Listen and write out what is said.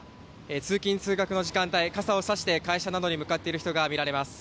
通勤、通学の時間帯傘を差して会社などに向かっている人が見られます。